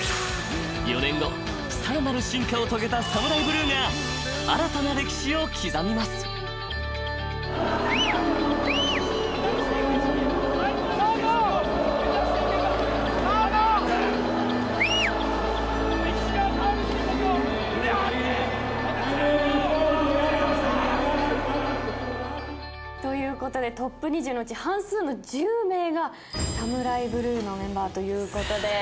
［４年後さらなる進化を遂げたＳＡＭＵＲＡＩＢＬＵＥが新たな歴史を刻みます］ということでトップ２０のうち半数の１０名がＳＡＭＵＲＡＩＢＬＵＥのメンバーということで。